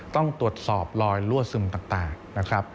ต้องตรวจสอบลอยรั่วซึมต่าง